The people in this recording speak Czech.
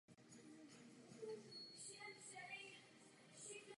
U vesnice Bulozi východně od Sarajeva se obě řeky stékají.